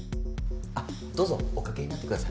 あっどうぞおかけになってください。